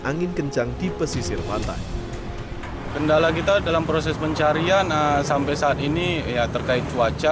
angin kencang di pesisir pantai kendala kita dalam proses pencarian sampai saat ini ya terkait cuaca